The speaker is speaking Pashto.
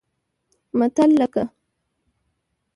متل لکه